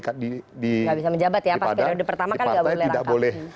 tidak bisa menjabat ya pas periode pertama kan nggak boleh rangkap